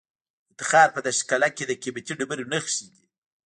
د تخار په دشت قلعه کې د قیمتي ډبرو نښې دي.